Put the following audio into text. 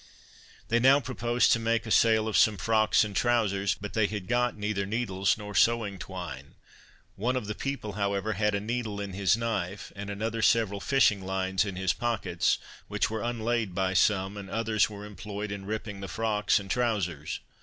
They now proposed to make a sail of some frocks and trowsers, but they had got neither needles nor sewing twine, one of the people however, had a needle in his knife, and another several fishing lines in his pockets, which were unlaid by some, and others were employed in ripping the frocks and trowsers.